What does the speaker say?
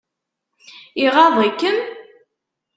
Iɣaḍ-ikem?